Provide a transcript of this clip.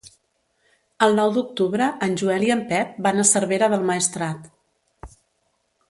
El nou d'octubre en Joel i en Pep van a Cervera del Maestrat.